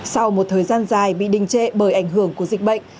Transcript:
sau một thời gian dài bị đình trệ bởi ảnh hưởng của dịch bệnh